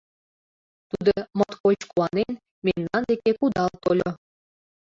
Тудо, моткоч куанен, мемнан деке кудал тольо.